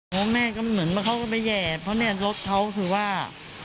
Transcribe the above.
เพราะแม่ก็เหมือนว่าเขาก็ไปแห่เพราะเนี่ยรถเขาคือว่า